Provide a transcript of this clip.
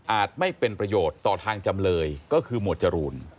ไม่เป็นประโยชน์ต่อทางจำเลยก็คือหมวดจรูน